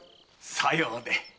さようで。